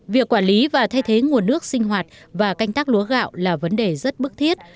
việc quản lý và thay thế nguồn nước sinh hoạt và canh tác lúa gạo là vấn đề rất bức thiết